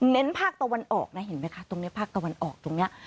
ภาคตะวันออกนะเห็นไหมคะตรงนี้ภาคตะวันออกตรงนี้